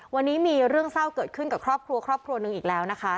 วันนี้มีเรื่องเศร้าเกิดขึ้นกับครอบครัวครอบครัวหนึ่งอีกแล้วนะคะ